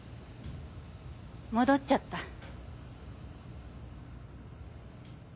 戻っちゃった。